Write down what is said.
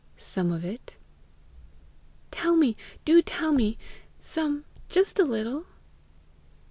"Some of it." "Tell me, do tell me some just a little."